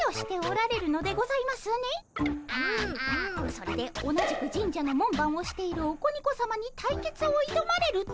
それで同じく神社の門番をしているオコニコさまに対決をいどまれると。